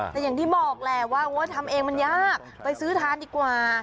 แต่อย่างที่บอกแหละว่าทำเองมันยากไปซื้อทานดีกว่า